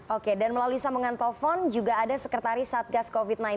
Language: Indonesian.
oke dan melalui sambungan telepon juga ada sekretaris satgas covid sembilan belas